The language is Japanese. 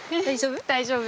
大丈夫？